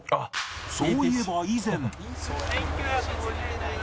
そういえば以前